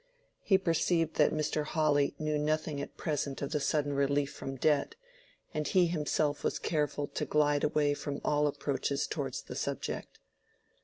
He perceived that Mr. Hawley knew nothing at present of the sudden relief from debt, and he himself was careful to glide away from all approaches towards the subject.